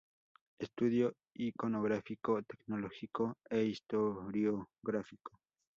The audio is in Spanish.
Estudio iconográfico, tecnológico e historiográfico".